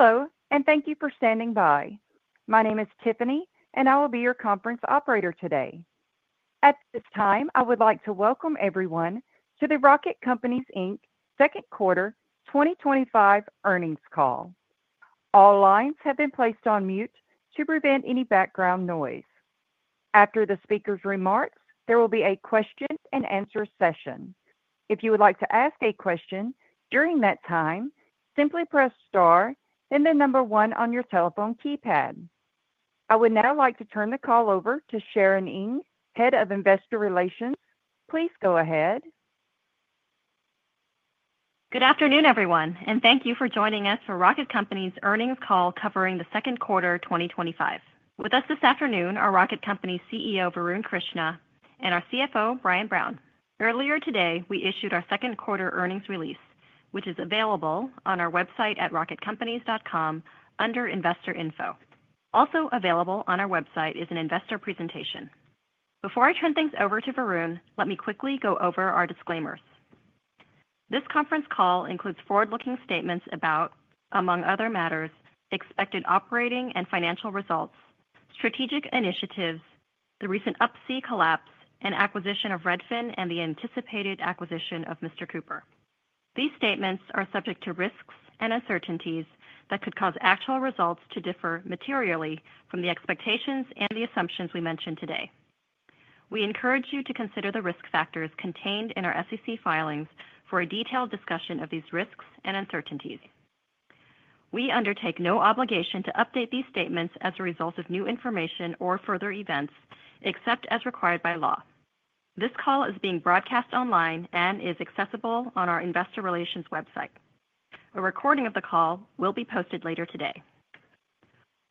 Hello and thank you for standing by. My name is Tiffany and I will be your conference operator today. At this time I would like to welcome everyone to the Rocket Companies, Inc Second Quarter 2025 Earnings call. All lines have been placed on mute to prevent any background noise. After the speaker's remarks, there will be a Q&A session. If you would like to ask a question during that time, simply press star and the number one on your telephone keypad. I would now like to turn the call over to Sharon Ng, Head of Investor Relations. Please go ahead. Good afternoon everyone and thank you for joining us for Rocket Companies' earnings call covering the second quarter 2025. With us this afternoon are Rocket Companies CEO Varun Krishna and our CFO Brian Brown. Earlier today we issued our second quarter earnings release which is available on our website at rocketcompanies.com under Investor Info. Also available on our website is an investor presentation. Before I turn things over to Varun, let me quickly go over our disclaimers. This conference call includes forward-looking statements about, among other matters, expected operating and financial results, strategic initiatives, the recent UPSEA collapse and acquisition of Redfin, and the anticipated acquisition of Mr. Cooper. These statements are subject to risks and uncertainties that could cause actual results to differ materially from the expectations and the assumptions we mention today. We encourage you to consider the risk factors contained in our SEC filings for a detailed discussion of these risks and uncertainties. We undertake no obligation to update these statements as a result of new information or further events except as required by law. This call is being broadcast online and is accessible on our investor relations website. A recording of the call will be posted later today.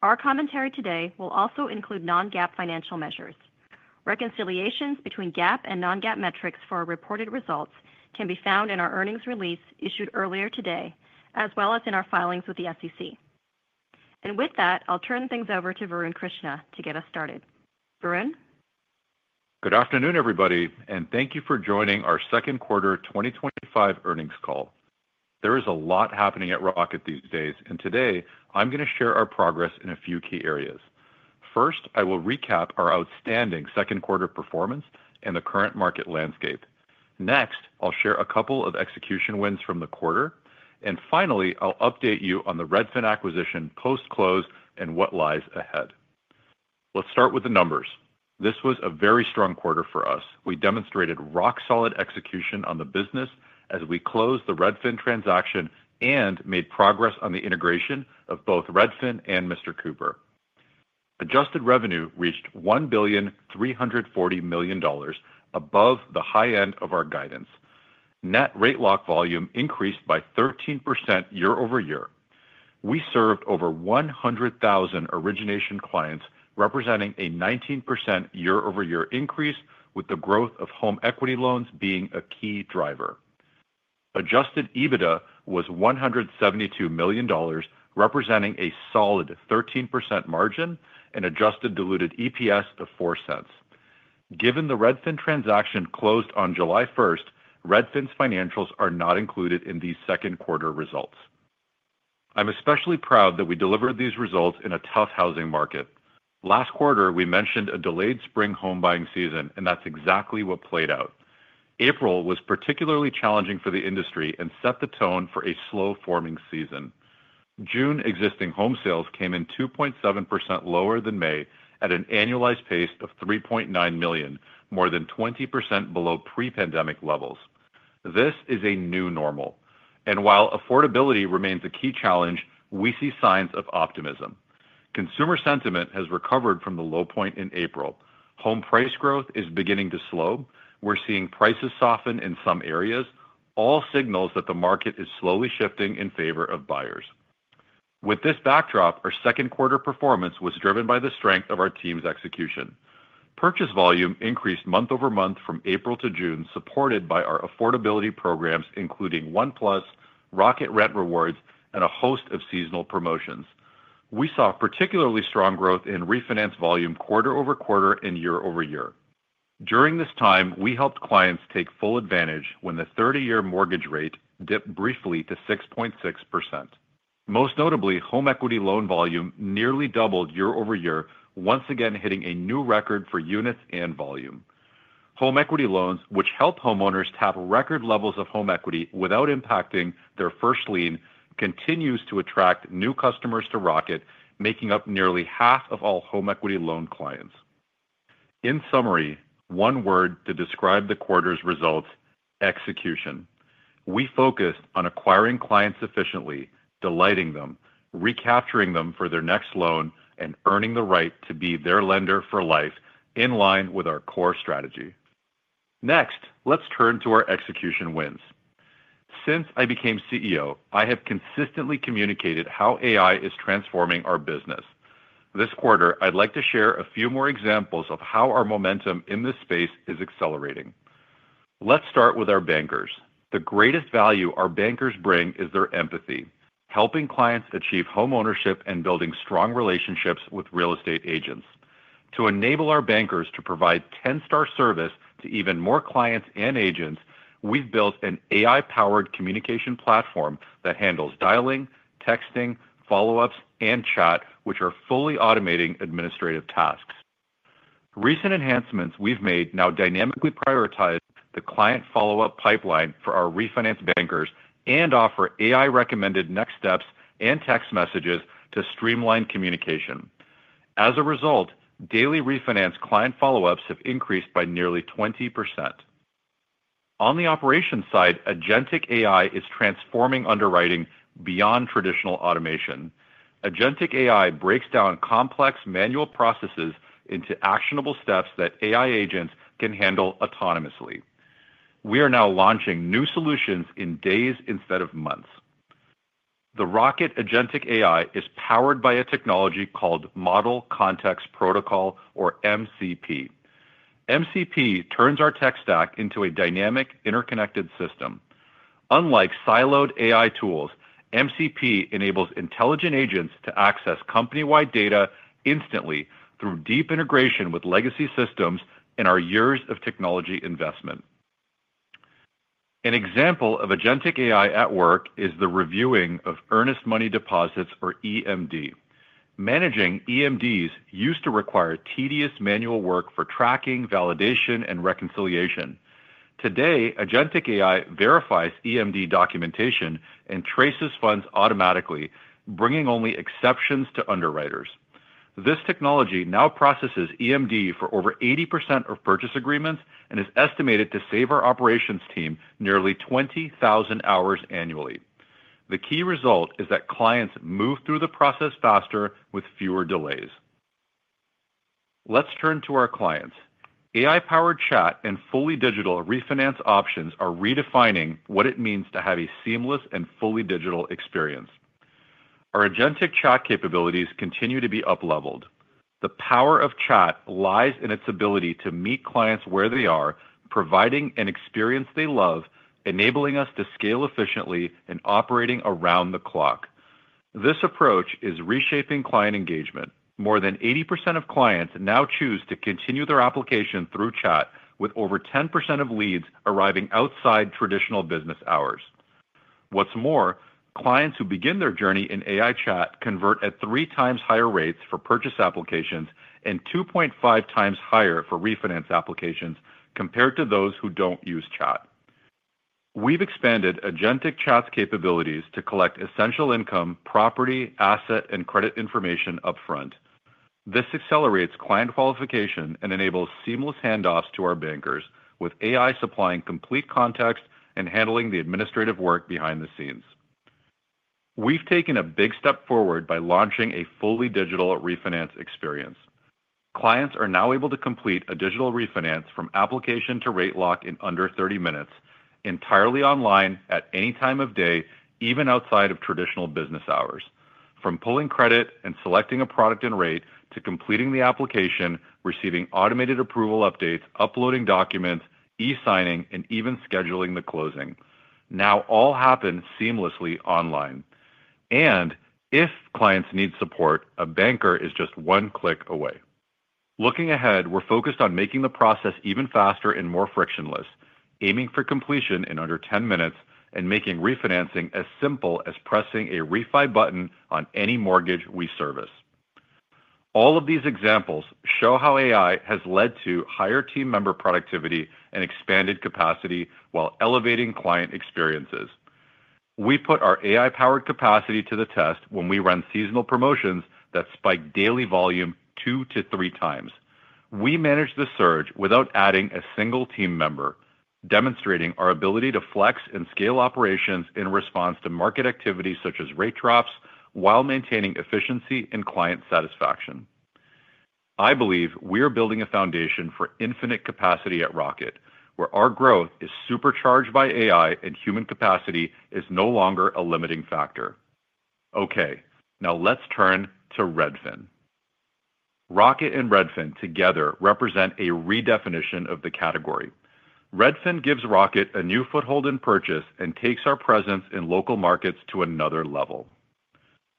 Our commentary today will also include non-GAAP financial measures. Reconciliations between GAAP and non-GAAP metrics for our reported results can be found in our earnings release issued earlier today as well as in our filings with the SEC. With that, I'll turn things over to Varun Krishna to get us started. Good afternoon everybody and thank you for joining our Second Quarter 2025 Earnings call. There is a lot happening at Rocket these days and today I'm going to share our progress in a few key areas. First, I will recap our outstanding second quarter performance and the current market landscape. Next, I'll share a couple of execution wins from the quarter and finally I'll update you on the Redfin acquisition post close and what lies ahead. Let's start with the numbers. This was a very strong quarter for us. We demonstrated rock solid execution on the business as we closed the Redfin transaction and made progress on the integration of both Redfin and Mr. Cooper. Adjusted revenue reached $1.34 billion, above the high end of our guidance. Net rate lock volume increased by 13% year-over-year. We served over 100,000 origination clients, representing a 19% year-over-year increase, with the growth of home equity loans being a key driver. Adjusted EBITDA was $172 million, representing a solid 13% margin and adjusted diluted EPS of $0.04. Given the Redfin transaction closed on July 1st, Redfin's financials are not included in these second quarter results. I'm especially proud that we delivered these results in a tough housing market. Last quarter we mentioned a delayed spring home buying season and that's exactly what played out. April was particularly challenging for the industry and set the tone for a slow forming season. June existing home sales came in 2.7% lower than May at an annualized pace of 3.9 million, more than 20% below pre-pandemic levels. This is a new normal and while affordability remains a key challenge, we see signs of optimism. Consumer sentiment has recovered from the low point in April. Home price growth is beginning to slow. We're seeing prices soften in some areas, all signals that the market is slowly shifting in favor of buyers. With this backdrop, our second quarter performance was driven by the strength of our team's execution. Purchase volume increased month over month from April to June, supported by our affordability programs including One plus Rocket Rent Rewards and a host of seasonal promotions. We saw particularly strong growth in refinance volume quarter over quarter and year-over-year. During this time, we helped clients take full advantage when the 30-year mortgage rate dipped briefly to 6.6%. Most notably, home equity loan volume nearly doubled year-over-year, once again hitting a new record for units and volume. Home equity loans, which help homeowners tap record levels of home equity without impacting their first lien, continue to attract new customers to Rocket, making up nearly half of all home equity loan clients. In summary, one word to describe the quarter's results: Execution. We focused on acquiring clients efficiently, delighting them, recapturing them for their next loan, and earning the right to be their lender for life, in line with our core strategy. Next, let's turn to our execution wins. Since I became CEO, I have consistently communicated how AI is transforming our business. This quarter, I'd like to share a few more examples of how our momentum in this space is accelerating. Let's start with our bankers. The greatest value our bankers bring is their empathy, helping clients achieve homeownership and building strong relationships with real estate agents. To enable our bankers to provide 10 star service to even more clients and agents, we've built an AI-powered communication platform that handles dialing, texting, follow-ups, and chat, which are fully automating administrative tasks. Recent enhancements we've made now dynamically prioritize the client follow-up pipeline for our refinance bankers and offer AI-recommended next steps and text messages to streamline communication. As a result, daily refinance client follow-ups have increased by nearly 20%. On the operations side, AgentIQ AI is transforming underwriting beyond traditional automation. AgentIQ AI breaks down complex manual processes into actionable steps that AI agents can handle autonomously. We are now launching new solutions in days instead of months. The Rocket AgentIQ AI is powered by a technology called Model Context Protocol, or MCP. MCP turns our tech stack into a dynamic, interconnected system. Unlike siloed AI tools, MCP enables intelligent agents to access company-wide data instantly through deep integration with legacy systems. In our years of technology investment, an example of AgentIQ AI at work is the reviewing of earnest money deposits, or EMD. Managing EMDs used to require tedious manual work for tracking, validation, and reconciliation. Today, AgentIQ verifies EMD documentation and traces funds automatically, bringing only exceptions to underwriters. This technology now processes EMD for over 80% of purchase agreements and is estimated to save our operations team nearly 20,000 hours annually. The key result is that clients move through the process faster with fewer delays. Let's turn to our clients. AI-powered chat and fully digital refinance options are redefining what it means to have a seamless and fully digital experience. Our AgentIQ AI chat capabilities continue to be up leveled. The power of chat lies in its ability to meet clients where they are, providing an experience they love, enabling us to scale efficiently, and operating around the clock. This approach is reshaping client engagement. More than 80% of clients now choose to continue their application through chat, with over 10% of leads arriving outside traditional business hours. What's more, clients who begin their journey in AI chat convert at 3 times higher rates for purchase applications and 2.5 times higher for refinance applications compared to those who don't use chat. We've expanded AgentIQ AI platform chat's capabilities to collect essential income, property, asset, and credit information upfront. This accelerates client qualification and enables seamless handoffs to our bankers. With AI supplying complete context and handling the administrative work behind the scenes, we've taken a big step forward by launching a fully digital refinance experience. Clients are now able to complete a digital refinance from application to rate lock in under 30 minutes entirely online at any time of day, even outside of traditional business hours. From pulling credit and selecting a product and rate to completing the application, receiving automated approval updates, uploading documents, e-signing, and even scheduling the closing now all happen seamlessly online, and if clients need support, a banker is just one click away. Looking ahead, we're focused on making the process even faster and more frictionless, aiming for completion in under 10 minutes, and making refinancing as simple as pressing a refi button on any mortgage we service. All of these examples show how AI has led to higher team member productivity and expanded capacity while elevating client experiences. We put our AI-powered capacity to the test when we run seasonal promotions that spike daily volume two to three times. We manage the surge without adding a single team member, demonstrating our ability to flex and scale operations in response to market activities such as rate drops while maintaining efficiency and client satisfaction. I believe we are building a foundation for infinite capacity at Rocket, where our growth is supercharged by AI and human capacity is no longer a limiting factor. Okay, now let's turn to Redfin. Rocket and Redfin together represent a redefinition of the category. Redfin gives Rocket a new foothold in purchase and takes our presence in local markets to another level.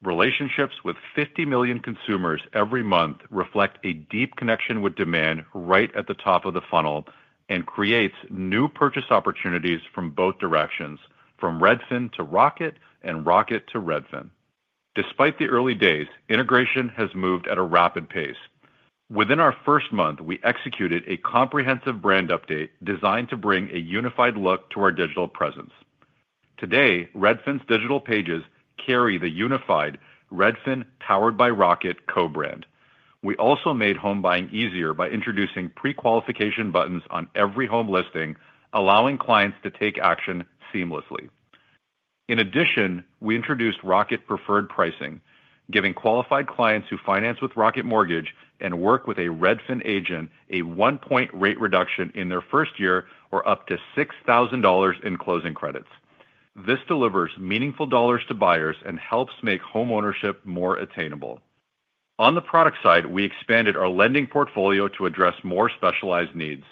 Relationships with 50 million consumers every month reflect a deep connection with demand right at the top of the funnel and create new purchase opportunities from both directions, from Redfin to Rocket and Rocket to Redfin. Despite the early days, integration has moved at a rapid pace. Within our first month, we executed a comprehensive brand update designed to bring a unified look to our digital presence. Today, Redfin's digital pages carry the unified Redfin Powered by Rocket Co brand. We also made home buying easier by introducing pre-qualification buttons on every home listing, allowing clients to take action seamlessly. In addition, we introduced Rocket Preferred Pricing, giving qualified clients who finance with Rocket Mortgage and work with a Redfin agent a one point rate reduction in their first year or up to $6,000 in closing credits. This delivers meaningful dollars to buyers and helps make homeownership more attainable. On the product side, we expanded our lending portfolio to address more specialized needs.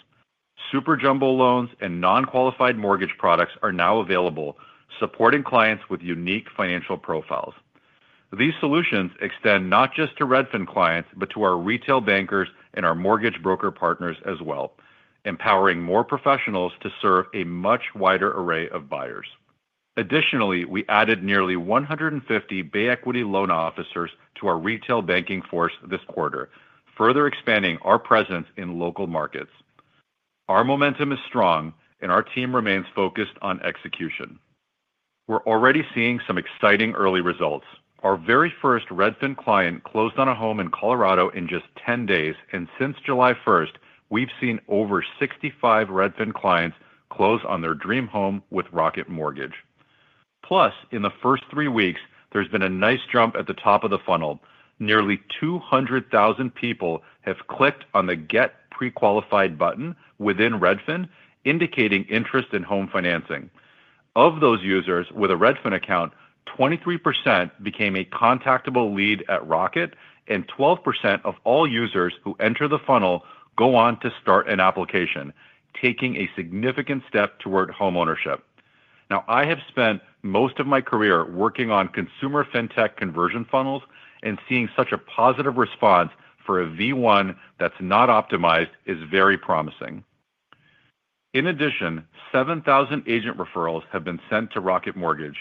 Super Jumbo loans and non-qualified mortgage products are now available, supporting clients with unique financial profiles. These solutions extend not just to Redfin clients, but to our retail bankers and our mortgage broker partners as well, empowering more professionals to serve a much wider array of buyers. Additionally, we added nearly 150 Bay Equity loan officers to our retail banking force this quarter, further expanding our presence in local markets. Our momentum is strong and our team remains focused on execution. We're already seeing some exciting early results. Our very first Redfin client closed on a home in Colorado in just 10 days. Since July 1, we've seen over 65 Redfin clients close on their dream home with Rocket Mortgage. Plus, in the first three weeks, there's been a nice jump at the top of the funnel. Nearly 200,000 people have clicked on the get pre-qualified button within Redfin, indicating interest in home financing. Of those users with a Redfin account, 23% became a contactable lead at Rocket and 12% of all users who enter the funnel go on to start an application, taking a significant step toward homeownership. Now I have spent most of my career working on consumer fintech conversion funnels, and seeing such a positive response for a V1 that's not optimized is very promising. In addition, 7,000 agent referrals have been sent to Rocket Mortgage.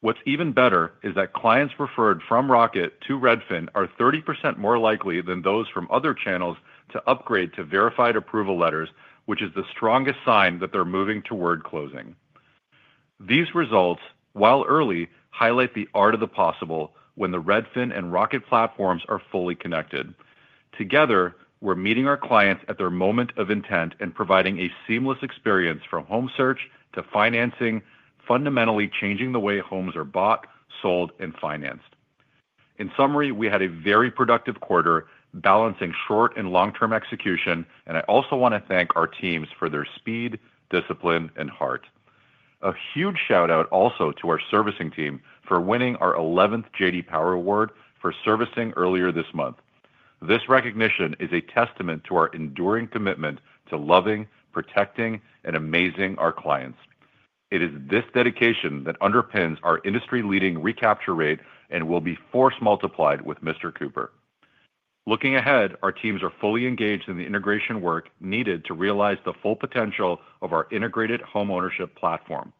What's even better is that clients referred from Rocket to Redfin are 30% more likely than those from other channels to upgrade to verified approval letters, which is the strongest sign that they're moving toward closing. These results, while early, highlight the art of the possible when the Redfin and Rocket platforms are fully connected together. We're meeting our clients at their moment of intent and providing a seamless experience from home search to financing, fundamentally changing the way homes are bought, sold, and financed. In summary, we had a very productive quarter balancing short and long term execution, and I also want to thank our teams for their speed, discipline, and heart. A huge shout out also to our servicing team for winning our 11th J.D. Power Award for Servicing earlier this month. This recognition is a testament to our enduring commitment to loving, protecting, and amazing our clients. It is this dedication that underpins our industry leading recapture rate and will be force multiplied with Mr. Cooper looking ahead. Our teams are fully engaged in the integration work needed to realize the full potential of our integrated homeownership platform.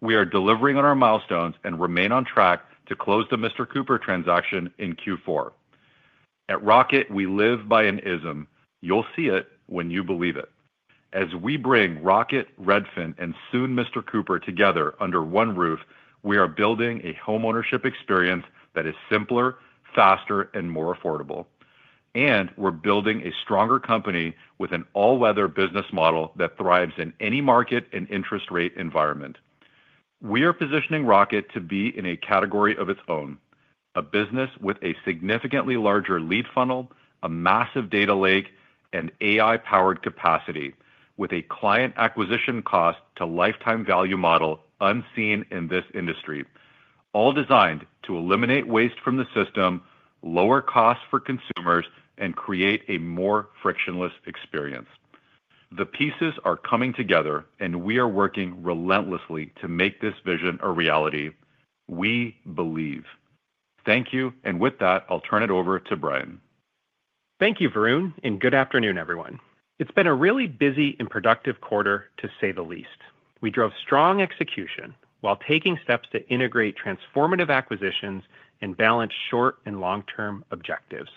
We are delivering on our milestones and remain on track to close the Mr. Cooper transaction in Q4. At Rocket, we live by an ism. You'll see it when you believe it as we bring Rocket, Redfin, and soon Mr. Cooper together under one roof. We are building a homeownership experience that is simpler, faster, and more affordable. We're building a stronger company with an all-weather business model that thrives in any market and interest rate environment. We are positioning Rocket to be in a category of its own, a business with a significantly larger lead funnel, a massive data lake, and AI-powered capacity with a client acquisition cost to lifetime value model unseen in this industry. All designed to eliminate waste from the system, lower costs for consumers, and create a more frictionless experience. The pieces are coming together, and we are working relentlessly to make this vision a reality. We believe. Thank you. With that, I'll turn it over to Brian. Thank you Varun and good afternoon everyone. It's been a really busy and productive quarter to say the least. We drove strong execution while taking steps to integrate transformative acquisitions and balance short and long term objectives.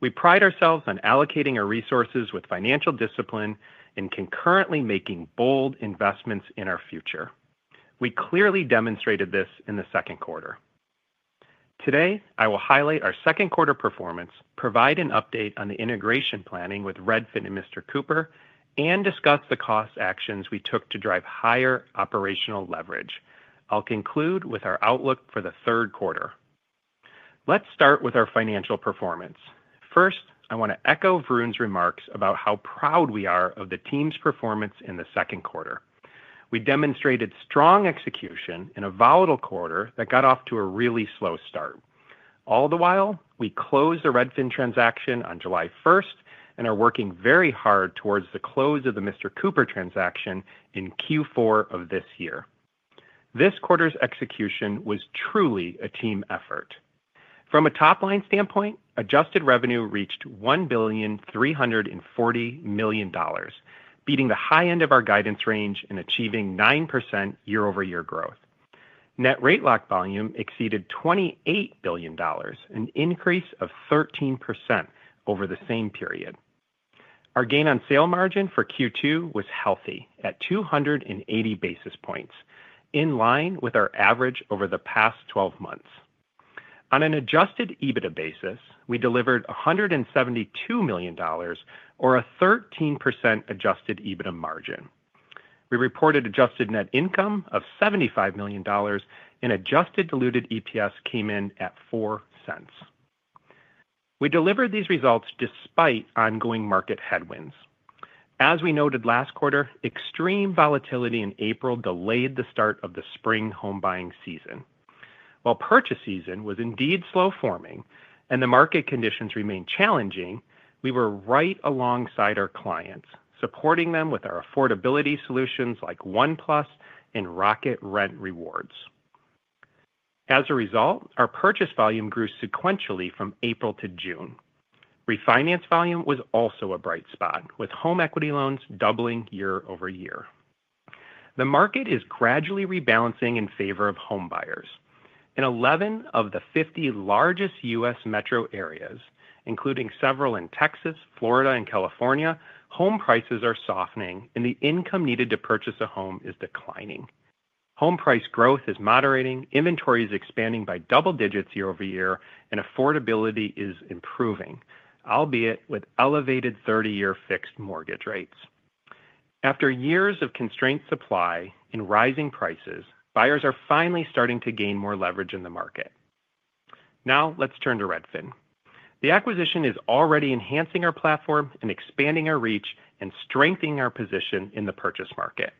We pride ourselves on allocating our resources with financial discipline and concurrently making bold investments in our future. We clearly demonstrated this in the second quarter. Today I will highlight our second quarter performance, provide an update on the integration planning with Redfin and Mr. Cooper, and discuss the cost actions we took to drive higher operational leverage. I'll conclude with our outlook for the third quarter. Let's start with our financial performance. First, I want to echo Varun's remarks about how proud we are of the team's performance in the second quarter. We demonstrated strong execution in a volatile quarter that got off to a really slow start. All the while, we closed the Redfin transaction on July 1 and are working very hard towards the close of the Mr. Cooper transaction in Q4 of this year. This quarter's execution was truly a team effort from a top line standpoint. Adjusted revenue reached $1.34 billion, beating the high end of our guidance range and achieving 9% year-over-year growth. Net rate lock volume exceeded $28 billion, an increase of 13% over the same period. Our gain on sale margin for Q2 was healthy at 280 basis points, in line with our average over the past 12 months. On an adjusted EBITDA basis, we delivered $172 million or a 13% adjusted EBITDA margin. We reported adjusted net income of $75 million and adjusted diluted EPS came in at $0.04. We delivered these results despite ongoing market headwinds. As we noted last quarter, extreme volatility in April delayed the start of the spring home buying season. While purchase season was indeed slow forming and the market conditions remained challenging, we were right alongside our clients, supporting them with our affordability solutions like OnePlus and Rocket Rent Rewards. As a result, our purchase volume grew sequentially from April to June. Refinance volume was also a bright spot, with home equity loans doubling year-over-year. The market is gradually rebalancing in favor of home buyers in 11 of the 50 largest U.S. metro areas, including several in Texas, Florida, and California. Home prices are softening and the income needed to purchase a home is declining. Home price growth is moderating, inventory is expanding by double digits year-over-year, and affordability is improving, albeit with elevated 30-year fixed mortgage rates. After years of constrained supply and rising prices, buyers are finally starting to gain more leverage in the market. Now let's turn to Redfin. The acquisition is already enhancing our platform, expanding our reach, and strengthening our position in the purchase market.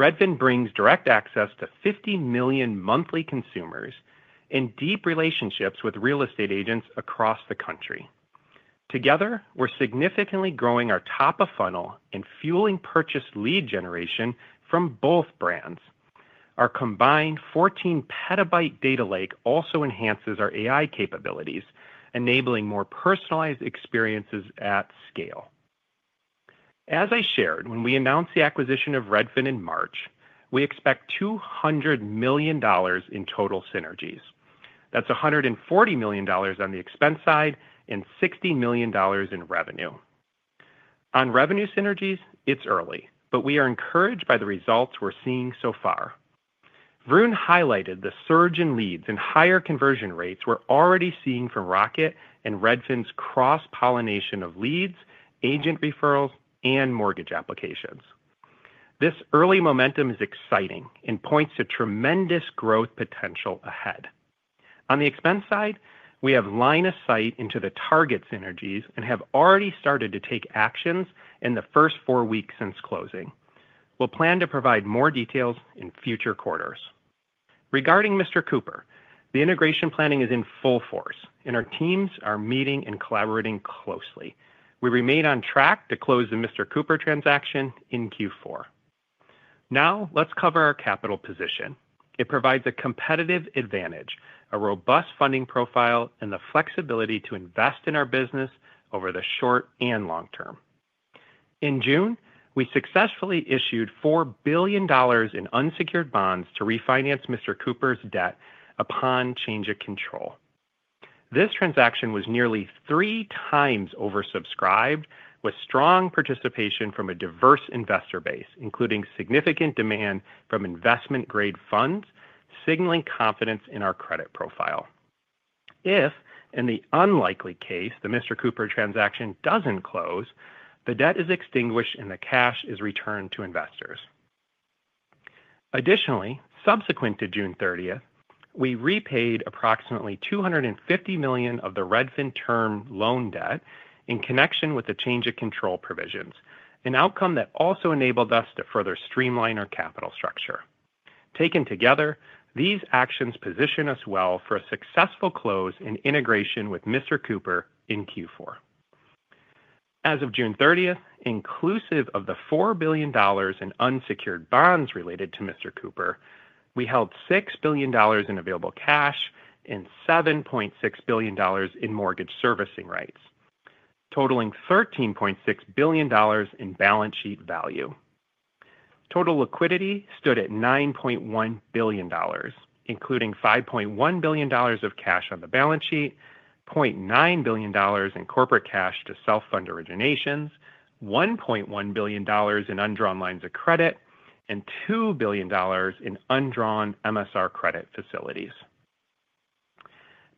Redfin brings direct access to 50 million monthly consumers and deep relationships with real estate agents across the country. Together, we're significantly growing our top of funnel and fueling purchase lead generation from both brands. Our combined 14-petabyte data lake also enhances our AI capabilities, enabling more personalized experiences at scale. As I shared when we announced the acquisition of Redfin in March, we expect $200 million in total synergies. That's $140 million on the expense side and $60 million in revenue synergies. It's early, but we are encouraged by the results we're seeing so far. Varun highlighted the surge in leads and higher conversion rates we're already seeing from Rocket and Redfin's cross-pollination of leads, agent referrals, and mortgage applications. This early momentum is exciting and points to tremendous growth potential ahead. On the expense side, we have line of sight into the target synergies and have already started to take actions in the first four weeks since closing. We plan to provide more details in future quarters. Regarding Mr. Cooper, the integration planning is in full force and our teams are meeting and collaborating closely. We remain on track to close the Mr. Cooper transaction in Q4. Now let's cover our capital position. It provides a competitive advantage, a robust funding profile, and the flexibility to invest in our business over the short and long term. In June, we successfully issued $4 billion in unsecured bonds to refinance Mr. Cooper's debt, and upon change of control, this transaction was nearly three times oversubscribed, with strong participation from a diverse investor base, including significant demand from investment grade funds, signaling confidence in our credit profile. If, in the unlikely case the Mr. Cooper transaction doesn't close, the debt is extinguished and the cash is returned to investors. Additionally, subsequent to June 30, we repaid approximately $250 million of the Redfin term loan debt in connection with the change of control provisions, an outcome that also enabled us to further streamline our capital structure. Taken together, these actions position us well for a successful close and integration with Mr. Cooper in Q4. As of June 30, inclusive of the $4 billion in unsecured bonds related to Mr. Cooper, we held $6 billion in available cash and $7.6 billion in Mortgage Servicing Rights totaling $13.6 billion in balance sheet value. Total liquidity stood at $9.1 billion, including $5.1 billion of cash on the balance sheet and $0.9 billion in corporate cash to self-fund originations, $1.1 billion in undrawn lines of credit, and $2 billion in undrawn MSR credit facilities.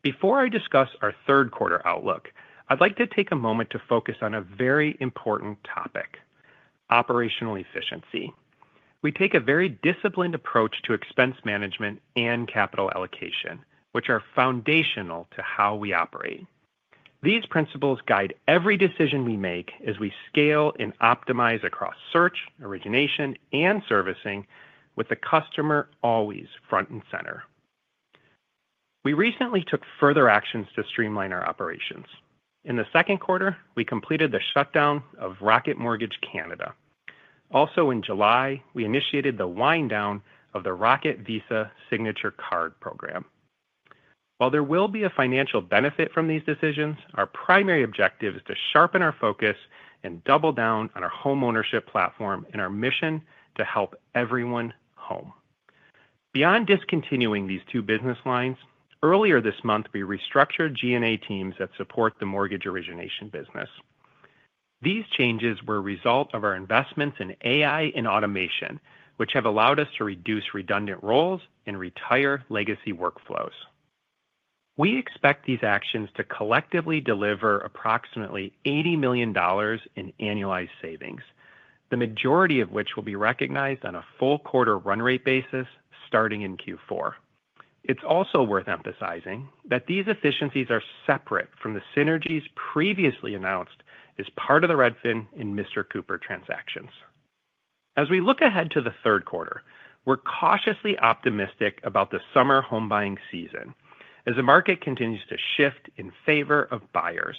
Before I discuss our third quarter outlook, I'd like to take a moment to focus on a very important topic, operational efficiency. We take a very disciplined approach to expense management and capital allocation, which are foundational to how we operate. These principles guide every decision we make as we scale and optimize across search, origination, and servicing, with the customer always front and center. We recently took further actions to streamline our operations. In the second quarter, we completed the shutdown of Rocket Mortgage Canada. Also in July, we initiated the wind down of the Rocket Visa Signature Card Program. While there will be a financial benefit from these decisions, our primary objective is to sharpen our focus and double down on our homeownership platform and our mission to help everyone home. Beyond discontinuing these two business lines, earlier this month we restructured G&A teams that support the mortgage origination business. These changes were a result of our investments in AI and automation, which have allowed us to reduce redundant roles and retire legacy workflows. We expect these actions to collectively deliver approximately $80 million in annualized savings, the majority of which will be recognized on a full quarter run rate basis starting in Q4. It's also worth emphasizing that these efficiencies are separate from the synergies previously announced as part of the Redfin and Mr. Cooper transactions. As we look ahead to the third quarter, we're cautiously optimistic about the summer home buying season as the market continues to shift in favor of buyers.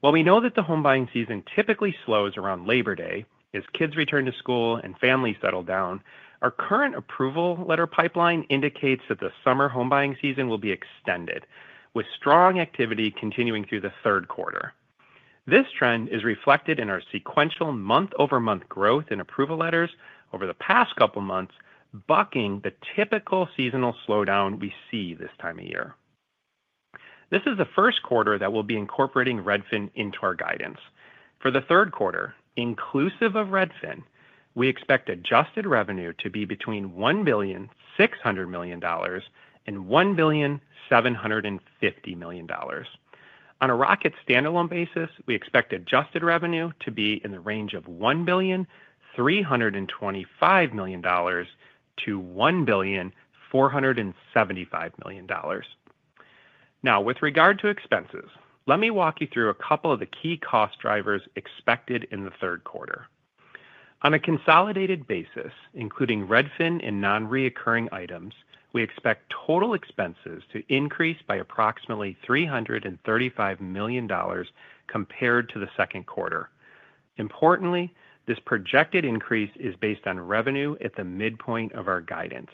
While we know that the home buying season typically slows around Labor Day as kids return to school and families settle down, our current approval letter pipeline indicates that the summer home buying season will be extended with strong activity continuing through the third quarter. This trend is reflected in our sequential month-over-month growth in approval letters over the past couple months, bucking the typical seasonal slowdown we see this time of year. This is the first quarter that we'll be incorporating Redfin into our guidance for the third quarter. Inclusive of Redfin, we expect adjusted revenue to be between $1.6 billion and $1.75 billion. On a Rocket standalone basis, we expect adjusted revenue to be in the range of $1.325 billion to $1.475 billion. Now, with regard to expenses, let me walk you through a couple of the key cost drivers expected in the third quarter. On a consolidated basis, including Redfin and non-recurring items, we expect total expenses to increase by approximately $335 million compared to the second quarter. Importantly, this projected increase is based on revenue at the midpoint of our guidance.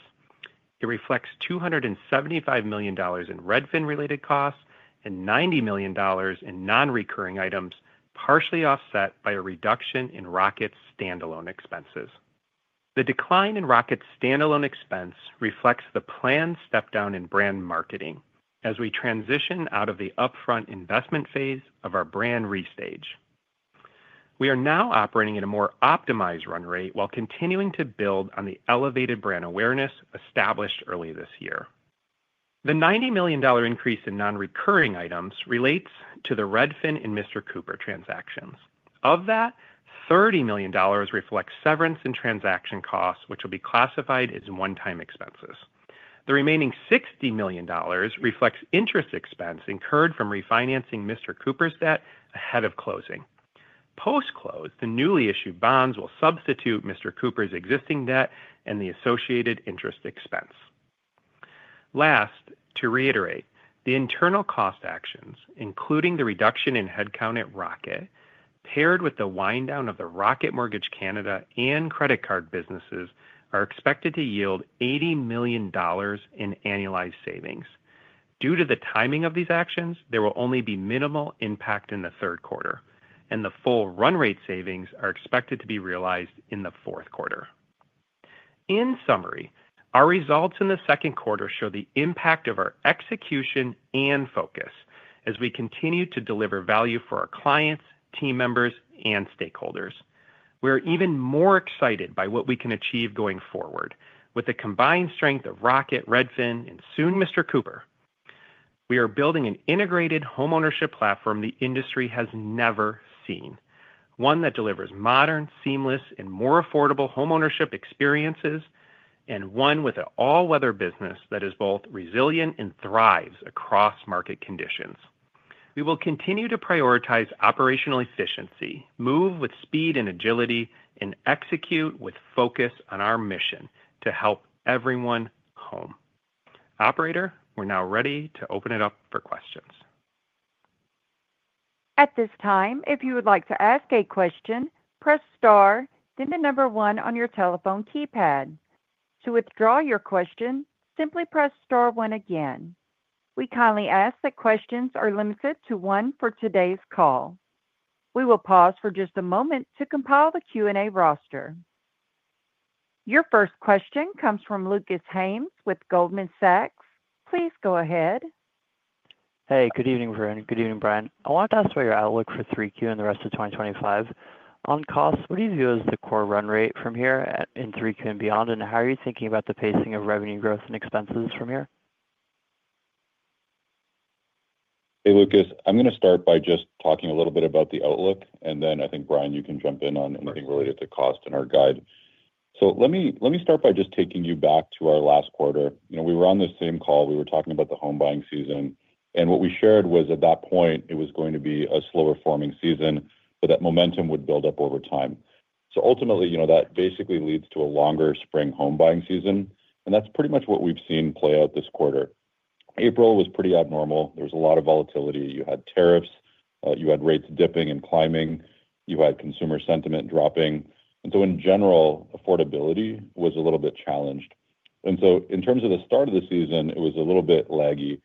It reflects $275 million in Redfin-related costs and $90 million in non-recurring items, partially offset by a reduction in Rocket's standalone expenses. The decline in Rocket's standalone expense reflects the planned step down in brand marketing as we transition out of the upfront investment phase of our brand restage. We are now operating at a more optimized run rate while continuing to build on the elevated brand awareness established early this year. The $90 million increase in non-recurring items relates to the Redfin and Mr. Cooper transactions. Of that, $30 million reflects severance and transaction costs which will be classified as one-time expenses. The remaining $60 million reflects interest expense incurred from refinancing Mr. Cooper's debt ahead of closing. Post close, the newly issued bonds will substitute Mr. Cooper's existing debt and the associated interest expense. Last, to reiterate, the internal cost actions including the reduction in headcount at Rocket paired with the wind down of the Rocket Mortgage Canada and credit card businesses are expected to yield $80 million in annualized savings. Due to the timing of these actions, there will only be minimal impact in the third quarter and the full run rate savings are expected to be realized in the fourth quarter. In summary, our results in the second quarter show the impact of our execution and focus as we continue to deliver value for our clients, team members, and stakeholders. We're even more excited by what we can achieve going forward. With the combined strength of Rocket, Redfin, and soon Mr. Cooper, we are building an integrated homeownership platform the industry has never seen, one that delivers modern, seamless, and more affordable homeownership experiences and one with an all-weather business that is both resilient and thrives across market conditions. We will continue to prioritize operational efficiency, move with speed and agility, and execute with focus on our mission to help everyone home. Operator, we're now ready to open it up for questions. At this time, if you would like to ask a question, press star, then the number one on your telephone keypad. To withdraw your question, simply press star one. Again, we kindly ask that questions are limited to one. For today's call, we will pause for just a moment to compile the Q&A roster. Your first question comes from Lucas Haynes with Goldman Sachs. Please go ahead. Hey, good evening, Varun. Good evening, Brian. I wanted to ask about your outlook for 3Q and the rest of 2025 on costs. What do you view as the core? Run rate from here in 3Q and beyond? How are you thinking about the pacing of revenue growth and expenses from here? Hey, Lucas, I'm going to start by just talking a little bit about the outlook, and then I think, Brian, you can jump in on anything related to cost in our guide. Let me start by just taking you back to our last quarter. You know, we were on the same call. We were talking about the home buying season, and what we shared was at that point it was going to be a slower forming season, but that momentum would build up over time. Ultimately, you know, that basically leads to a longer spring home buying season, and that's pretty much what we've seen play out this quarter. April was pretty abnormal. There was a lot of volatility. You had tariffs, you had rates dipping and climbing, you had consumer sentiment dropping. In general, affordability was a little bit challenged. In terms of the start of the season, it was a little bit laggy.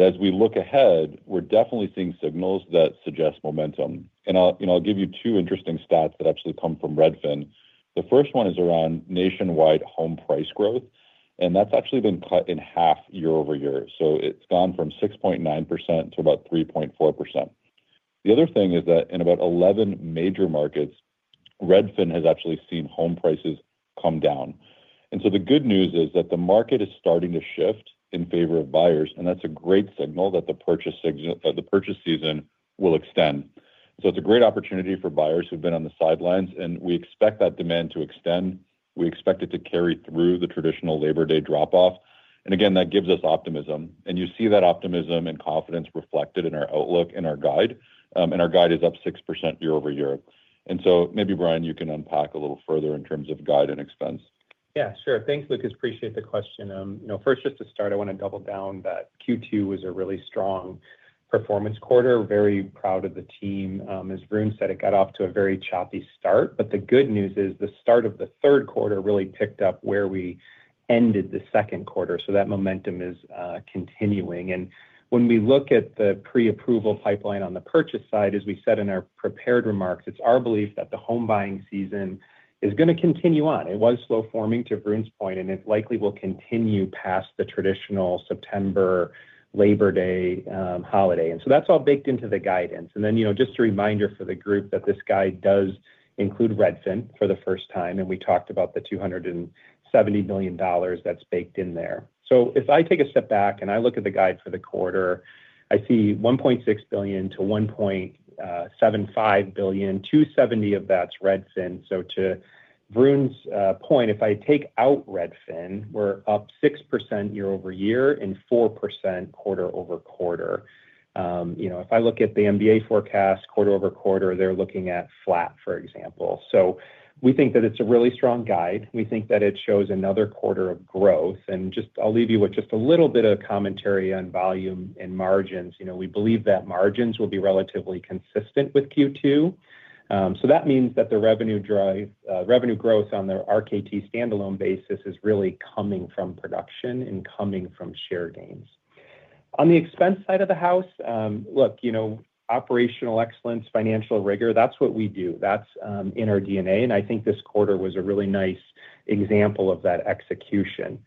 As we look ahead, we're definitely seeing signals that suggest momentum. I'll give you two interesting stats that actually come from Redfin. The first one is around nationwide home price growth, and that's actually been cut in half year-over-year. It's gone from 6.9% to about 3.4%. The other thing is that in about 11 major markets, Redfin has actually seen home prices come down. The good news is that the market is starting to shift in favor of buyers, and that's a great signal that the purchase season will extend. It's a great opportunity for buyers who've been on the sidelines. We expect that demand to extend. We expect it to carry through the traditional Labor Day drop off. That gives us optimism, and you see that optimism and confidence reflected in our outlook in our guide. Our guide is up 6% year-over-year. Maybe, Brian, you can unpack a little further in terms of guide and expense. Yeah, sure. Thanks, Lucas. Appreciate the question. First, just to start, I want to double down that Q2 was a really strong performance quarter. Very proud of the team. As Varun said, it got off to a very choppy start. The good news is the start of the third quarter really picked up where we ended the second quarter. That momentum is continuing. When we look at the pre-approval pipeline on the purchase side, as we said in our prepared remarks, it's our belief that the home buying season is going to continue on. It was slow forming to Brian's point, and it likely will continue past the traditional September Labor Day holiday. That's all baked into the guidance. Just a reminder for the group that this guide does include Redfin for the first time. We talked about the $270 million that's baked in there. If I take a step back and I look at the guide for the quarter, I see $1.6 billion to $1.75 billion. $270 million of that's Redfin. To Varun's point, if I take out Redfin, we're up 6% year-over-year and 4% quarter over quarter. If I look at the MBA forecast quarter over quarter, they're looking at flat, for example. We think that it's a really strong guide. We think that it shows another quarter of growth. I'll leave you with just a little bit of commentary on volume and margins. We believe that margins will be relatively consistent with Q2. That means that the revenue drive, revenue growth on the Rocket Companies standalone basis is really coming from production and coming from share gains on the expense side of the house. Operational excellence, financial rigor, that's what we do. That's in our DNA. I think this quarter was a really nice example of that execution.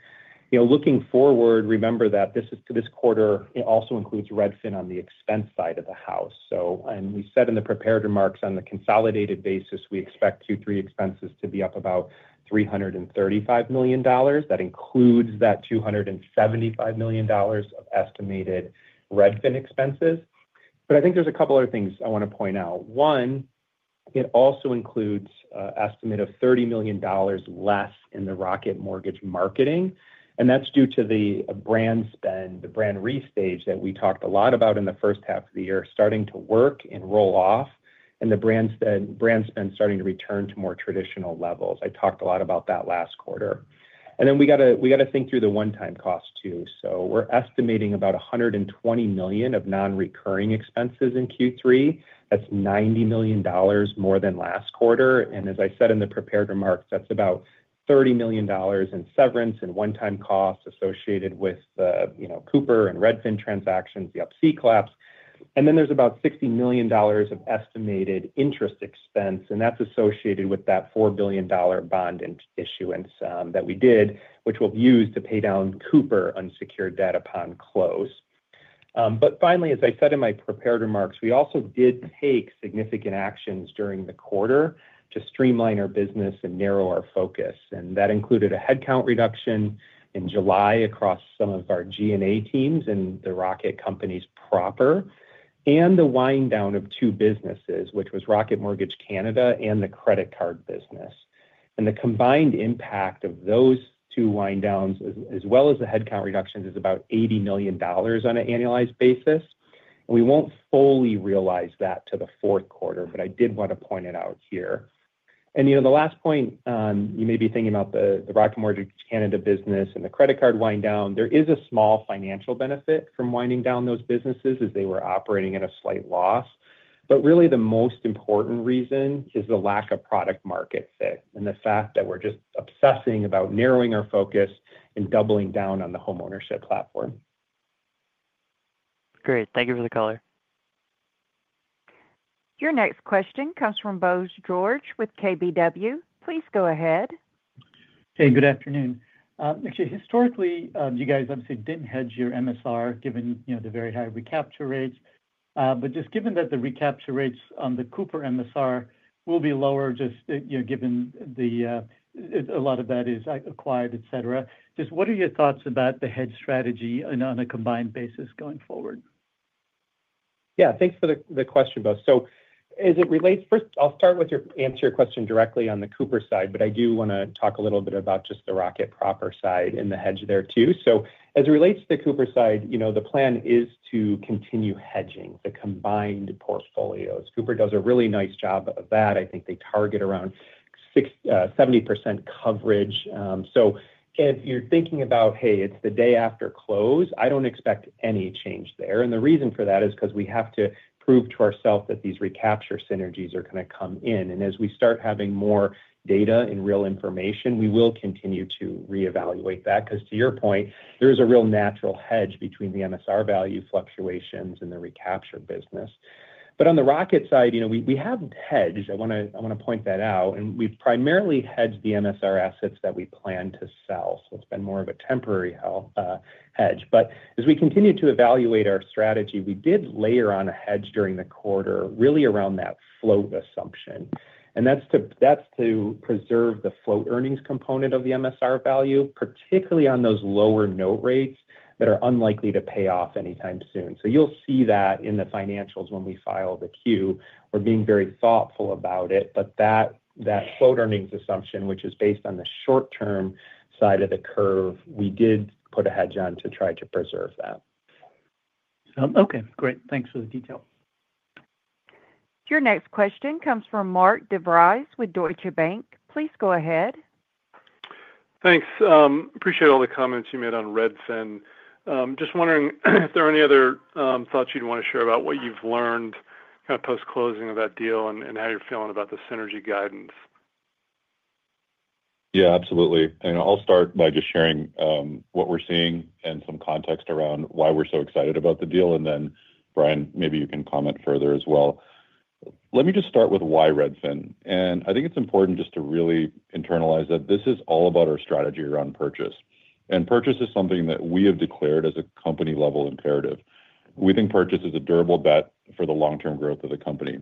Looking forward, remember that this is this quarter. It also includes Redfin on the expense side of the house. We said in the prepared remarks, on the consolidated basis, we expect Q3 expenses to be up about $335 million. That includes that $275 million of estimated Redfin expenses. I think there's a couple other things I want to point out. One, it also includes estimate of $30 million less in the Rocket Mortgage marketing. That's due to the brand spend, the brand restage that we talked a lot about in the first half of the year starting to work and roll off, and the brand spend starting to return to more traditional levels. I talked a lot about that last quarter, and then we got to think through the one-time cost too. We're estimating about $120 million of non-recurring expense in Q3. That's $90 million more than last quarter. As I said in the prepared remarks, that's about $30 million in severance and one-time costs associated with, you know, Mr. Cooper and Redfin transactions, the Upsea collapse. There's about $60 million of estimated interest expense, and that's associated with that $4 billion bond issuance that we did, which will be used to pay down Mr. Cooper unsecured debt upon close. Finally, as I said in my prepared remarks, we also did take significant actions during the quarter to streamline our business and narrow our focus. That included a headcount reduction in July across some of our G&A teams and the Rocket Companies proper, and the wind down of two businesses, which was Rocket Mortgage Canada and the credit card business. The combined impact of those two wind downs, as well as the headcount reductions, is about $80 million on an annualized basis. We won't fully realize that until the fourth quarter, but I did want to point it out here. The last point, you may be thinking about the Rocket Mortgage Canada business and the credit card wind down. There is a small financial benefit from winding down those businesses, as they were operating at a slight loss. Really, the most important reason is the lack of product market fit and the fact that we're just obsessing about narrowing our focus and doubling down on the homeownership platform. Great. Thank you for the color. Your next question comes from Bose George with KBW. Please go ahead. Hey, good afternoon. Historically, you guys obviously didn't hedge your MSR given the very high recapture rates. Just given that the recapture rates on the Cooper MSR will be lower, given a lot of that is acquired, et cetera, what are your thoughts about the hedge strategy on a combined basis going forward? Yeah, thanks for the question, Bo. I'll start with your answer your question directly on the Cooper side, but I do want to talk a little bit about just the Rocket proper side and the hedge there too. As it relates to the Cooper side, the plan is to continue hedging the combined portfolios. Cooper does a really nice job of that. I think they target around 70% coverage. If you're thinking about, hey, it's the day after close, I don't expect any change there. The reason for that is because we have to prove to ourself that these recapture synergies are going to come in. As we start having more data and real information, we will continue to reevaluate that. To your point, there is a real natural hedge between the MSR value fluctuations and the recapture business. On the Rocket side, we have hedge, I want to point that out. We primarily hedged the MSR assets that we plan to sell, so it's been more of a temporary hedge. As we continue to evaluate our strategy, we did layer on a hedge during the quarter really around that float assumption. That's to preserve the float earnings component of the MSR value, particularly on those lower note rates that are unlikely to pay off anytime soon. You'll see that in the financials when we file the Q. We're being very thoughtful about it. That float earnings assumption, which is based on the short term side of the curve, we did put a hedge on to try to preserve that. Okay, great. Thanks for the detail. Your next question comes from Mark DeVries with Deutsche Bank. Please go ahead. Thanks. Appreciate all the comments you made on Redfin. Just wondering if there are any other thoughts you'd want to share about what. You've learned kind of post closing of. That deal and how you're feeling about the synergy guidance? Yeah, absolutely. I'll start by just sharing what we're seeing and some context around why we're so excited about the deal. Brian, maybe you can comment further as well. Let me just start with why Redfin. I think it's important just to really internalize that. This is all about our strategy around purchase. Purchase is something that we have declared as a company level imperative. We think purchase is a durable bet for the long term growth of the company.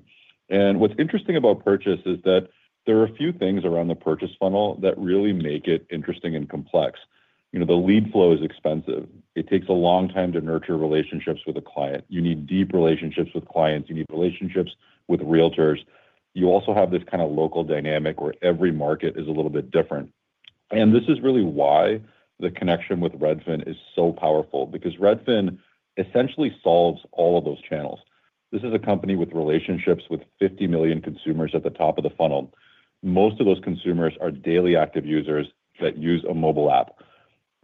What's interesting about purchase is that there are a few things around the purchase funnel that really make it interesting and complex. The lead flow is expensive. It takes a long time to nurture relationships with a client. You need deep relationships with clients. You need relationships with realtors. You also have this kind of local dynamic where every market is a little bit different. This is really why the connection with Redfin is so powerful, because Redfin essentially solves all of those channels. This is a company with relationships with 50 million consumers at the top of the funnel. Most of those consumers are daily active users that use a mobile app.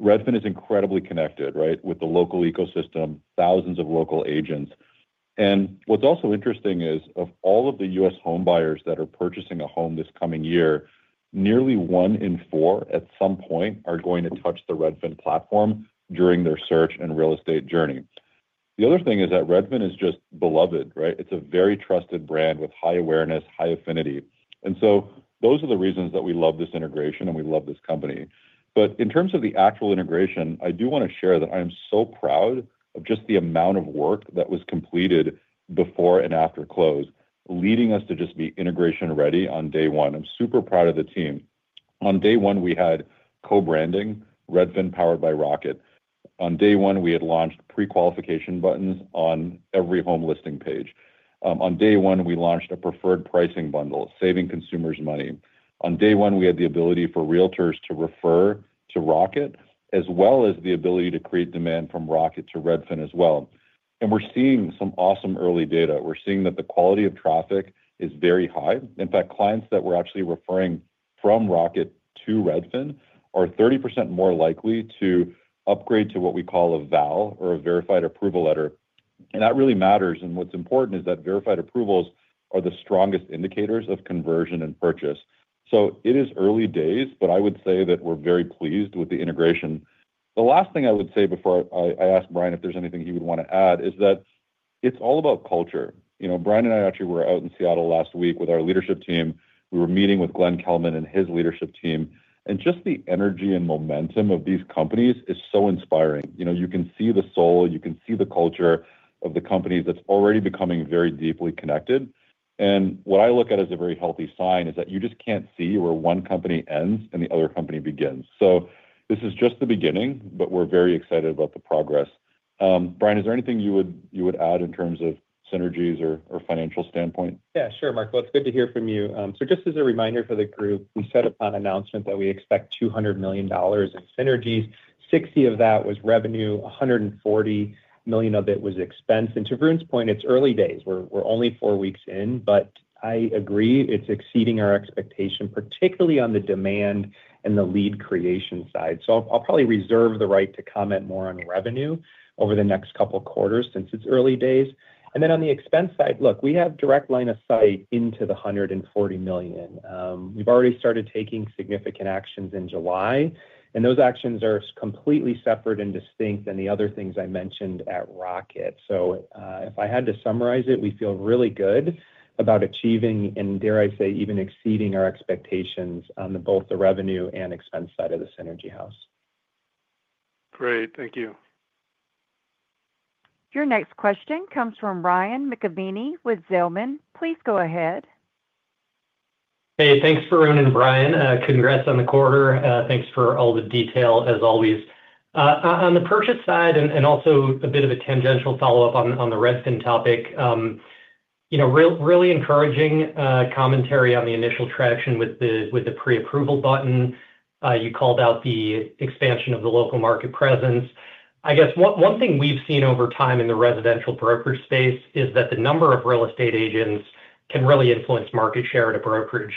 Redfin is incredibly connected right with the local ecosystem, thousands of local agents. What's also interesting is of all of the U.S. home buyers that are purchasing a home this coming year, nearly one in four at some point are going to touch the Redfin platform during their search and real estate journey. The other thing is that Redfin is just beloved, right? It's a very trusted brand with high awareness, high affinity. Those are the reasons that we love this integration and we love this company. In terms of the actual integration, I do want to share that I am so proud of just the amount of work that was completed before and after close leading us to just be integration ready on day one. I'm super proud of the team. On day one, we had co-branding Redfin powered by Rocket. On day one, we had launched pre-qualification buttons on every home listing page. On day one, we launched a preferred pricing bundle, saving consumers money. On day one, we had the ability for realtors to refer to Rocket as well as the ability to create demand from Rocket to Redfin as well. We're seeing some awesome early data. We're seeing that the quality of traffic is very high. In fact, clients that we're actually referring from Rocket to Redfin are 30% more likely to upgrade to what we call a VAL or a Verified Approval Letter. That really matters. What's important is that verified approvals are the strongest indicators of conversion and purchase. It is early days. I would say that we're very pleased with the integration. The last thing I would say before I ask Brian if there's anything he would want to add is that it's all about culture. Brian and I actually were out in Seattle last week with our leadership team. We were meeting with Glenn Kelman and his leadership team, and just the energy and momentum of these companies is so inspiring. You can see the soul, you can see the culture of the companies that's already becoming very deeply connected. What I look at as a very healthy sign is that you just can't see where one company ends and the other company begins. This is just the beginning. We're very excited about the progress. Brian, is there anything you would add in terms of synergies or financial standpoint? Yeah, sure, Mark. It's good to hear from you. Just as a reminder for the group, we said upon announcement that we expect $200 million in synergies. $60 million of that was revenue, $140 million of it was expense. To Brian's point, it's early days. We're only four weeks in. I agree it's exceeding our expectation, particularly on the demand and the lead creation side. I'll probably reserve the right to comment more on revenue over the next couple quarters since it's early days. On the expense side, we have direct line of sight into the $140 million. We've already started taking significant actions in July, and those actions are completely separate and distinct from the other things I mentioned at Rocket. If I had to summarize it, we feel really good about achieving and, dare I say, even exceeding our expectations on both the revenue and expense side of the Synergy House. Great, thank you. Your next question comes from Ryan McAveeny with Zelman. Please go ahead. Hey, thanks Varun and Brian, congrats on the quarter. Thanks for all the detail as always on the purchase side and also a bit of a tangential follow-up on the Redfin topic. Really encouraging commentary on the initial traction with the pre-approval button. You called out the expansion of the local market presence. I guess one thing we've seen over time in the residential brokerage space is that the number of real estate agents can really influence market share at a brokerage.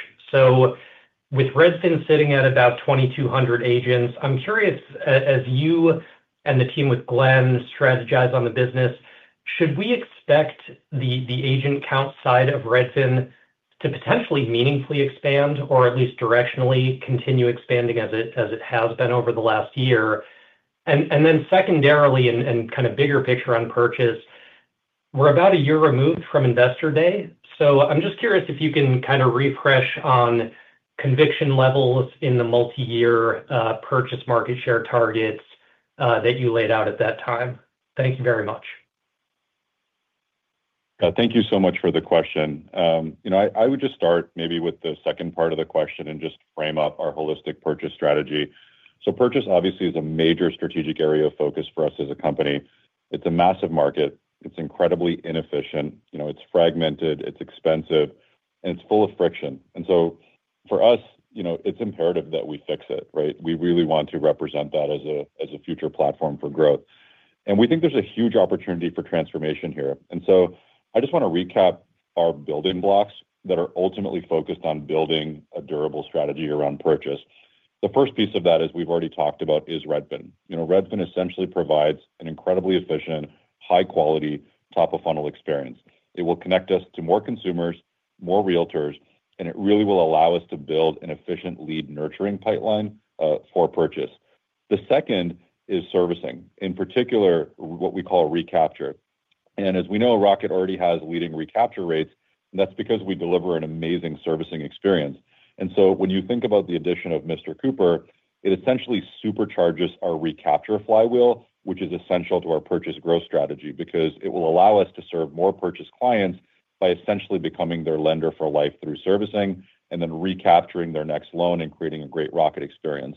With Redfin sitting at about 2,200 agents, I'm curious as you and the team with Glenn strategize on the business, should we expect the agent count side of Redfin to potentially meaningfully expand or at least directionally continue expanding as it has been over the last year? Secondarily and kind of bigger picture on purchase, we're about a year removed from Investor Day. I'm just curious if you can kind of refresh on conviction levels in the multi-year purchase market share targets that you laid out at that time. Thank you very much. Thank you so much for the question. I would just start maybe with the second part of the question and just frame up our holistic purchase strategy. Purchase obviously is a major strategic area of focus for us as a company. It's a massive market, it's incredibly inefficient. It's fragmented, it's expensive, and it's full of friction. For us, it's imperative that we fix it. We really want to represent that as a future platform for growth, and we think there's a huge opportunity for transformation here. I just want to recap our building blocks that are ultimately focused on building a durable strategy around purchase. The first piece of that, as we've already talked about, is Redfin. Redfin essentially provides an incredibly efficient, high quality, top of funnel experience. It will connect us to more consumers, more realtors, and it really will allow us to build an efficient lead nurturing pipeline for purchase. The second is servicing, in particular what we call recapture. As we know, Rocket already has leading recapture rates. That's because we deliver an amazing servicing experience. When you think about the addition of Mr. Cooper, it essentially supercharges our recapture flywheel, which is essential to our purchase growth strategy because it will allow us to serve more purchase clients by essentially becoming their lender for life through servicing and then recapturing their next loan and creating a great Rocket experience.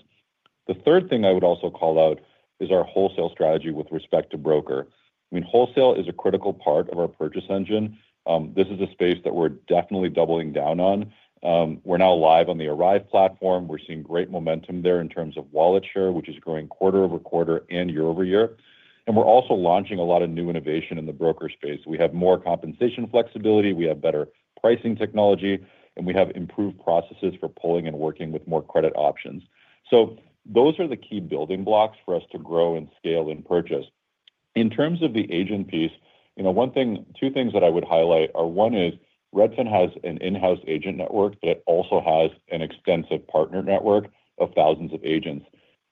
The third thing I would also call out is our wholesale strategy with respect to broker. Wholesale is a critical part of our purchase engine. This is a space that we're definitely doubling down on. We're now live on the arrive platform. We're seeing great momentum there in terms of wallet share, which is growing quarter over quarter and year-over-year. We're also launching a lot of new innovation in the broker space. We have more compensation flexibility, we have better pricing technology, and we have improved processes for pulling and working with more credit options. Those are the key building blocks for us to grow and scale in purchase. In terms of the agent piece, two things that I would highlight are, one is Redfin has an in-house agent network, but it also has an extensive partner network of thousands of agents.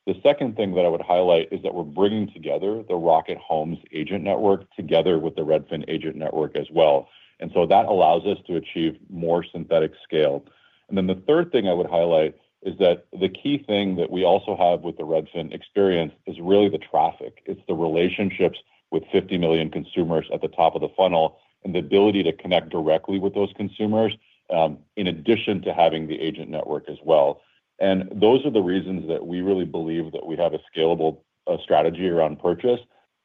The second thing that I would highlight is that we're bringing together the Rocket Homes agent network with the Redfin agent network as well. That allows us to achieve more synthetic scale. The third thing I would highlight is that the key thing that we also have with the Redfin experience is really the traffic. It's the relationships with 50 million consumers at the top of the funnel and the ability to connect directly with those consumers in addition to having the agent network as well. Those are the reasons that we really believe that we have a scalable strategy around purchase.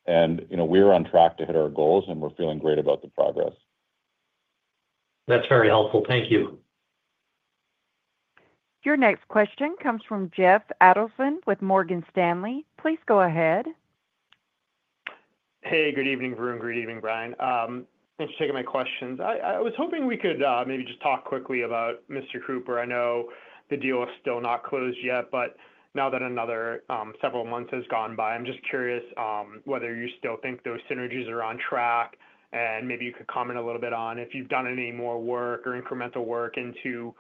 You know, we're on track to hit our goals and we're feeling great about the progress. That's very helpful, thank you. Your next question comes from Jeff Adelson with Morgan Stanley. Please go ahead. Hey, good evening. Great evening, Brian. Thanks for taking my questions. I was hoping we could maybe just talk quickly about Mr. Cooper. I know the deal is still not closed yet, but now that another several months has gone by, I'm just curious whether you still think those synergies are on track, and maybe you could comment a little bit on if you've done any more work or incremental work into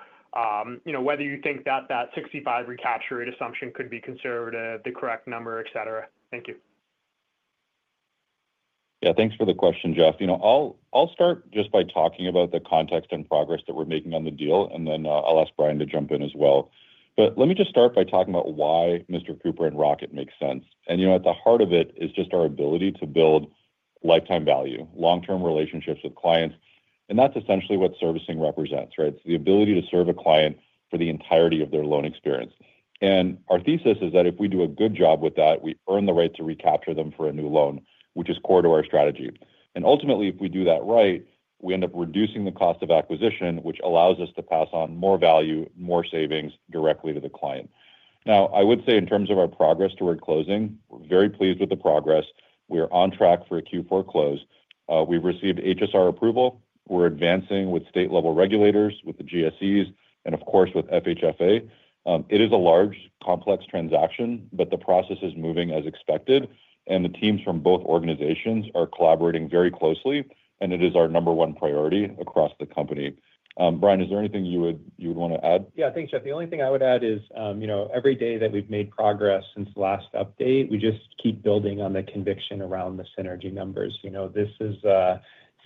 whether you think that that 65% recapture rate assumption could be conservative, the correct number, etc. Thank you. Yeah, thanks for the question, Jeff. I'll start just by talking about the context and progress that we're making on the deal, and then I'll ask Brian to jump in as well. Let me just start by talking about why Mr. Cooper and Rocket make sense. At the heart of it is just our ability to build lifetime value, long term relationships with clients. That's essentially what servicing represents, right? It's the ability to serve a client for the entirety of their loan experience. Our thesis is that if we do a good job with that, we earn the right to recapture them for a new loan, which is core to our strategy. Ultimately, if we do that right, we end up reducing the cost of acquisition, which allows us to pass on more value, more savings directly to the client. I would say in terms of our progress toward closing, we're very pleased with the progress. We are on track for a Q4 close. We've received HSR approval, we're advancing with state level regulators, with the GSEs, and of course with FHFA. It is a large, complex transaction, but the process is moving as expected and the teams from both organizations are collaborating very closely. It is our number one priority across the company. Brian, is there anything you would want to add? Yeah, thanks, Jeff. The only thing I would add is, you know, every day that we've made progress since last update, we just keep building on the conviction around the synergy numbers. This is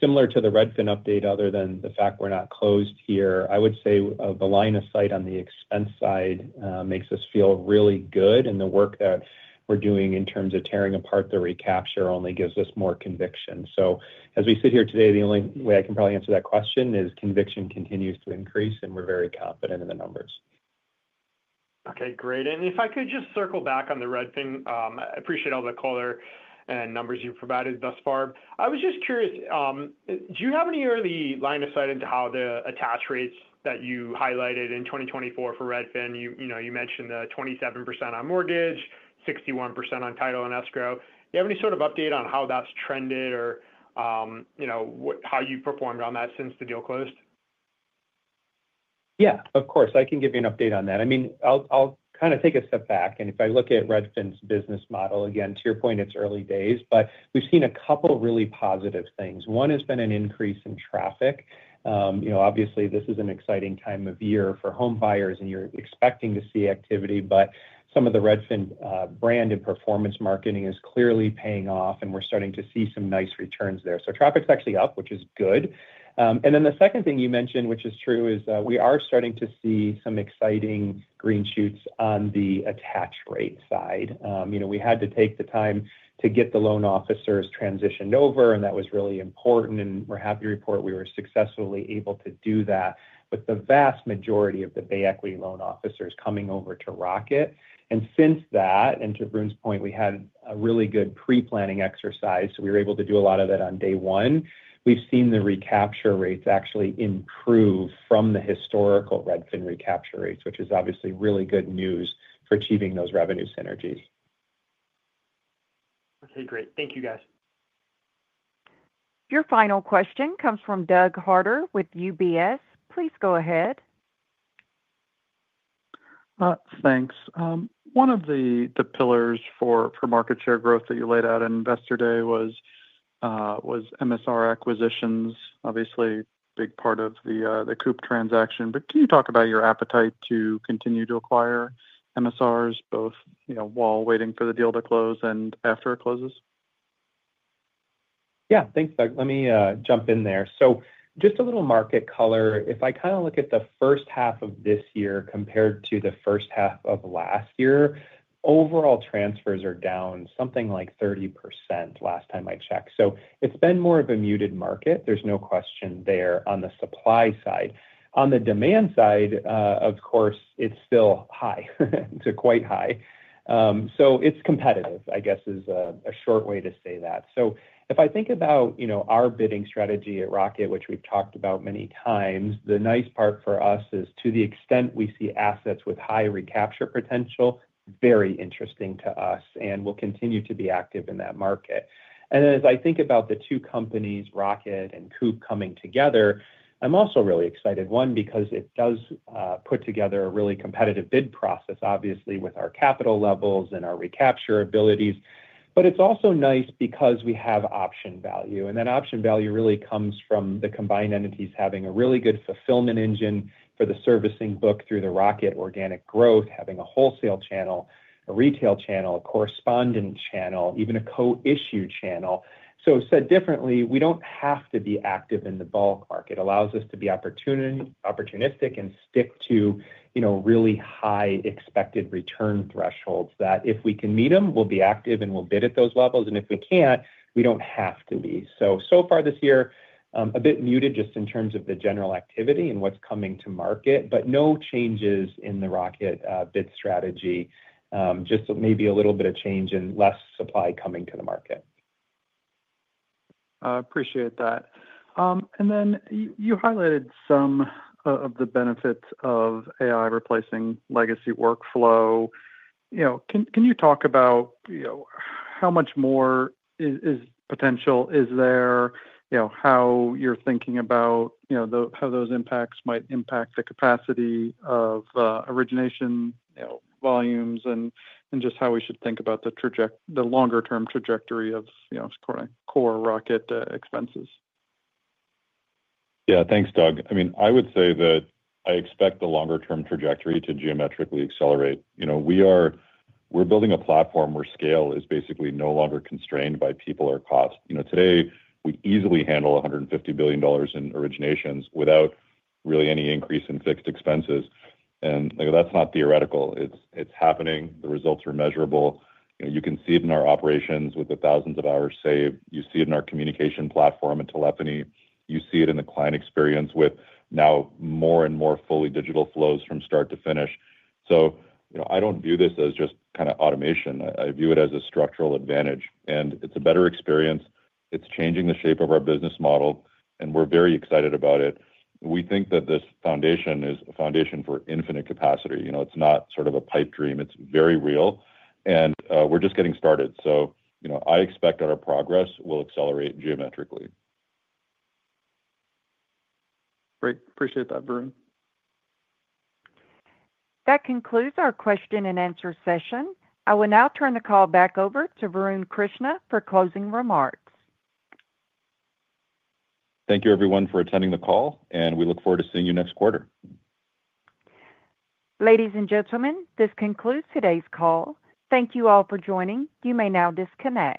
similar to the Redfin update. Other than the fact we're not closed here, I would say the line of sight on the expense side makes us feel really good. The work that we're doing in terms of tearing apart the recapture only gives us more conviction. As we sit here today, the only way I can probably answer that question is conviction continues to increase and we're very confident in the numbers. Okay, great. If I could just circle back on the Redfin thing, I appreciate all the color and numbers you've provided thus far. I was just curious, do you have any early line of sight into how the attach rates that you highlighted in 2024 for Redfin, you mentioned the 27% on mortgage, 61% on title and escrow. Do you have any sort of update on how that's trended or how you performed on that since the deal closed? Yeah, of course. I can give you an update on that. I'll kind of take a step back and if I look at Redfin's business model. Again, to your point, it's early days, but we've seen a couple really positive things. One has been an increase in traffic. Obviously this is an exciting time of year for home buyers and you're expecting to see activity. Some of the Redfin brand and performance marketing is clearly paying off and we're starting to see some nice returns there. Traffic's actually up, which is good. The second thing you mentioned, which is true, is we are starting to see some exciting green shoots on the attach rate side. We had to take the time to get the loan officers transitioned over and that was really important. We're happy to report we were successfully able to do that with the vast majority of the Bay Equity loan officers coming over to Rocket. Since that and to Varun's point, we had a really good pre-planning exercise. We were able to do a lot of that on day one. We've seen the recapture rates actually improve from the historical Redfin recapture rates, which is obviously really good news for achieving those revenue synergies. Okay, great. Thank you guys. Your final question comes from Doug Harter with UBS. Please go ahead. Thanks. One of the pillars for market share growth that you laid out at investor day was MSR acquisitions, obviously a big part of the Mr. Cooper transaction. Can you talk about your appetite to continue to acquire MSRs both while waiting for the deal to close and after it closes? Yeah. Thanks, Doug. Let me jump in there. Just a little market color. If I kind of look at the first half of this year compared to the first half of last year, overall transfers are down something like 30% last time I checked. It's been more of a muted market. There's no question there on the supply side. On the demand side, of course, it's still high to quite high. It's competitive, I guess, is a short way to say that. If I think about our bidding strategy at Rocket, which we've talked about many times, the nice part for us is to the extent we see assets with high recapture potential, very interesting to us, and we'll continue to be active in that market. As I think about the two companies, Rocket and Coop, coming together, I'm also really excited. One, because it does put together a really competitive bid process, obviously with our capital levels and our recapture abilities. It's also nice because we have option value and that option value really comes from the combined entities, having a really good fulfillment engine for the servicing book through the Rocket organic growth, having a wholesale channel, a retail channel, a correspondent channel, even a co-issue channel. Said differently, we don't have to be active in the bulk market. It allows us to be opportunistic and stick to really high expected return thresholds that if we can meet them, we'll be active and we'll bid at those levels. If we can't, we don't have to be. So far this year, a bit muted just in terms of the general activity and what's coming to market, but no changes in the Rocket bid strategy. Just maybe a little bit of change and less supply coming to the market. Appreciate that. You highlighted some of the benefits of AI reporting replacing legacy workflow. Can you talk about how much more potential is there, how you're thinking about how those impacts might impact the capacity of origination volumes, and just how we should think about the longer term trajectory of core Rocket expenses? Yeah, thanks, Doug. I would say that I expect the longer term trajectory to geometrically accelerate. We are building a platform where scale is basically no longer constrained by people or cost. Today we easily handle $150 billion in originations without really any increase in fixed expenses. That's not theoretical. It's happening. The results are measurable. You can see it in our operations with the thousands of hours saved. You see it in our communication platform at telephony. You see it in the client experience with now more and more fully digital flows from start to finish. I don't view this as just kind of automation. I view it as a structural advantage, and it's a better experience. It's changing the shape of our business model, and we're very excited about it. We think that this foundation is a foundation for infinite capacity. It's not sort of a pipe dream. It's very real, and we're just getting started. I expect our progress will accelerate geometrically. Great. Appreciate that, Varun. That concludes our Q&A session. I will now turn the call back over to Varun Krishna for closing remarks. Thank you everyone for attending the call, and we look forward to seeing you next quarter. Ladies and gentlemen, this concludes today's call. Thank you all for joining. You may now disconnect.